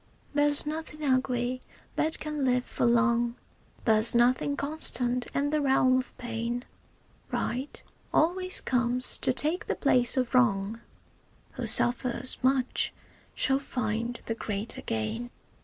There's nothing ugly that can live for long, There's nothing constant in the realm of pain; Right always comes to take the place of wrong, Who suffers much shall find the greater gain.